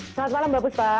selamat malam mbak buspa